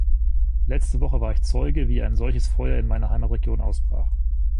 Letzte Woche war ich Zeuge, wie ein solches Feuer in meiner Heimatregion ausbrach.